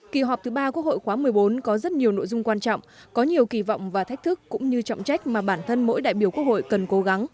kỳ họp thứ ba quốc hội khóa một mươi bốn có rất nhiều nội dung quan trọng có nhiều kỳ vọng và thách thức cũng như trọng trách mà bản thân mỗi đại biểu quốc hội cần cố gắng